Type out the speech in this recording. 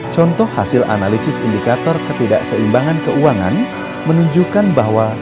contoh hasil analisis indikator ketidakseimbangan keuangan menunjukkan bahwa